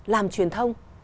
làm truyền thông